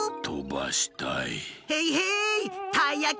とばしたい。